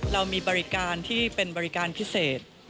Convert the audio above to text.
เรามีบริการที่เป็นบริการพิเศษ